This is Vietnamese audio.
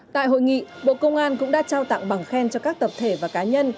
tại hội nghị bộ công an cũng đã trao tặng bằng khen cho các tập thể và cá nhân